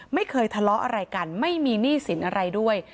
ไม่เคยทะเลาะอะไรกันไม่มีหนี้สินอะไรด้วย